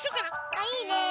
あいいね。